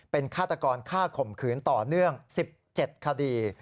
เป็นฆาตกรฆ่าข่มขืนต่อเนื่อง๑๗คดี